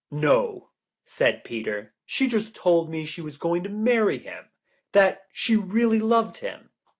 "No," said Peter, "she just told me she was going to marry him. That she really loved him.